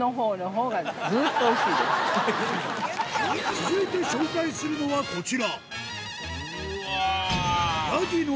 続いて紹介するのはこちらうわぁ！